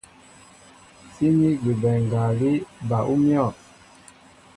Síní gúbɛ ngalí bal ú myɔ̂.